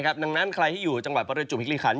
ดังนั้นใครที่อยู่จังหวัดประจุบฮิริคัน